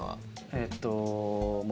えっと森。